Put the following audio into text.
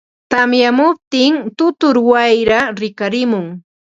tamyamuptin tutur wayraa rikarimun.